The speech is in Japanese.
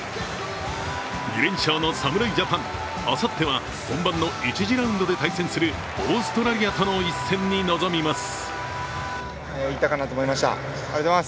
２連勝の侍ジャパン、あさっては本番の１次ラウンドで対戦するオーストラリアとの一戦に臨みます。